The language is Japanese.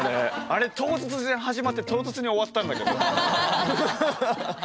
あれ唐突に始まって唐突に終わったんだけど。